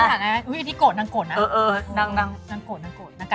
เออนางโกรธนางกัดการณ์